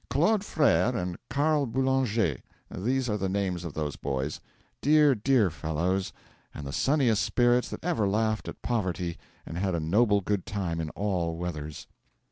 Claude Frere and Carl Boulanger these are the names of those boys; dear, dear fellows, and the sunniest spirits that ever laughed at poverty and had a noble good time in all weathers.